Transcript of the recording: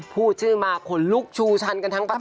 พูดชื่อมาขนลุกชูชันกันทั้งประเทศ